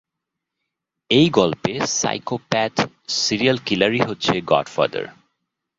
এই গল্পে psychopath serial কিলারই হচ্ছে গডফাদার।